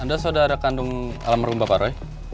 anda sudah ada kandung alam merumba pak roy